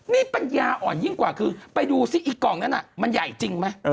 นี่ปัญญาอ่อนยิ่งกว่าคือไปดูซิอีกกล่องนั้นมันใหญ่จริงไหม